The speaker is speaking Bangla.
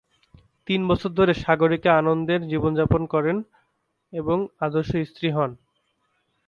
তিন বছর ধরে সাগরিকা আনন্দের জীবনযাপন করেন এবং আদর্শ স্ত্রী হন।